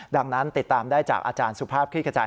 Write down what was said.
ดังนั้นติดตามได้จากอาจารย์สุภาพคลิกกระจาย